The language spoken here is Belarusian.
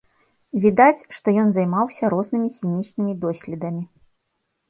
Відаць, што ён займаўся рознымі хімічнымі доследамі.